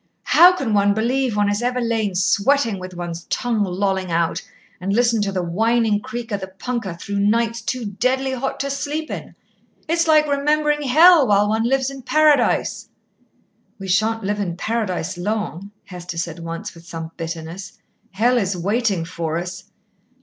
How can one believe one has ever lain sweating with one's tongue lolling out, and listened to the whining creak of the punkah through nights too deadly hot to sleep in! It's like remembering hell while one lives in Paradise." "We shan't live in Paradise long," Hester said once with some bitterness. "Hell is waiting for us."